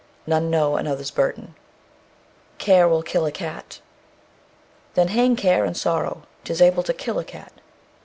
None know another's burden. Care will kill a cat. "Then hang care and sorrow, 'Tis able to kill a cat."